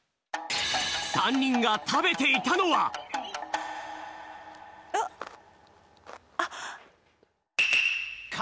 ３にんがたべていたのはあっあっ！